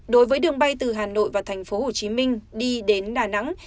đối với đường bay từ hà nội và tp hcm đi đến đà nẵng